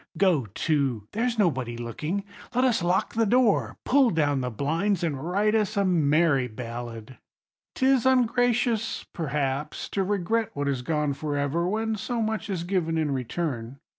Go to: there's nobody looking; let us lock the door, pull down the blinds, and write us a merry ballad. 'Tis ungracious, perhaps, to regret what is gone for ever, when so much is given in return.